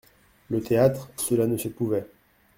Le théâtre, cela ne se pouvait.